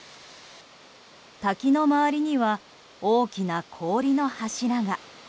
滝の周りには大きな氷の柱が。